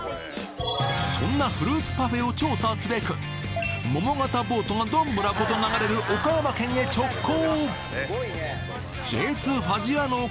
そんなフルーツパフェを調査すべく桃形ボートがどんぶらこと流れる岡山県へ直行！